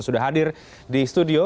sudah hadir di studio